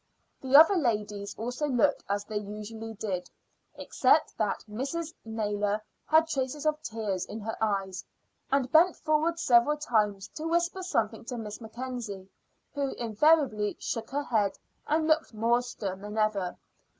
The other ladies also looked as they usually did, except that Mrs. Naylor had traces of tears in her eyes, and bent forward several times to whisper something to Miss Mackenzie, who invariably shook her head and looked more stern than ever.